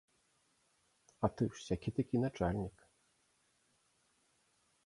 А ты ж сякі-такі начальнік.